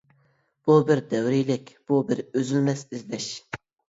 بۇ بىر دەۋرىيلىك، بۇ بىر ئۈزۈلمەس ئىزدەش!